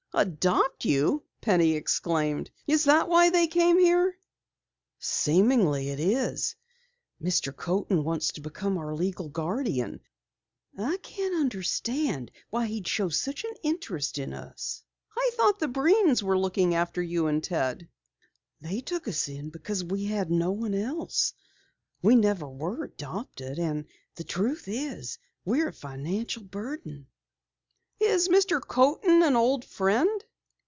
"Adopt you!" Penny exclaimed. "Is that why they came here?" "Seemingly, it is. Mr. Coaten wants to become our legal guardian. I can't understand why he should show such interest in us." "I thought the Breens were looking after you and Ted." "They took us in because we had no one else. We never were adopted, and the truth is, we're a financial burden." "Is Mr. Coaten an old friend?"